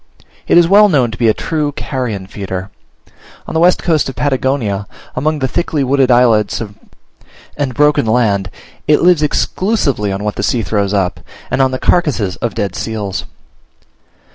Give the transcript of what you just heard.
It is well known to be a true carrion feeder. On the west coast of Patagonia, among the thickly wooded islets and broken land, it lives exclusively on what the sea throws up, and on the carcasses of dead seals.